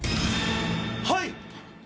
はい！